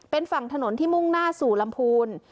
เป็นฝั่งถนนที่มุ่งหน้าสู่ลำพูน